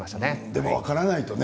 でも分からないとね